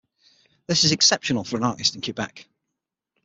This is exceptional for an artist in Quebec.